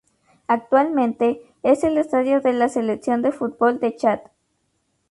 Actualmente, es el estadio de la Selección de fútbol de Chad.